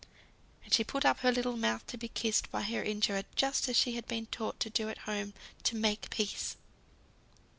And she put up her little mouth to be kissed by her injurer, just as she had been taught to do at home to "make peace."